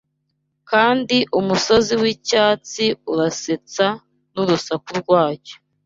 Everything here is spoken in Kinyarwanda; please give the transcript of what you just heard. Kandi umusozi wicyatsi urasetsa n urusaku rwacyo